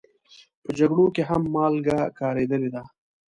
په جګړو کې هم مالګه کارېدلې ده.